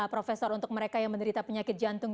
profesor untuk mereka yang menderita penyakit jantung